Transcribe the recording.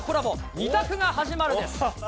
２択が始まるです。